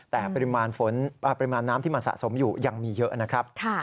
แต่ปริมาณฝนปริมาณน้ำที่มันสะสมอยู่ยังมีเยอะนะครับ